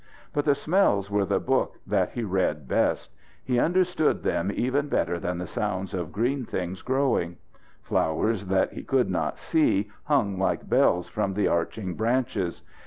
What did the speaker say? But the smells were the book that he read best; he understood them even better than the sounds of green things growing. Flowers that he could not see hung like bells from the arching branches.